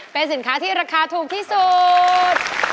เป็นสินค้าที่ราคาถูกที่สุด